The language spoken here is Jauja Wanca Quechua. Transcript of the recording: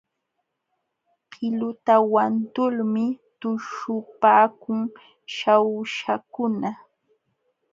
Qiluta wantulmi tuśhupaakun Shawshakuna.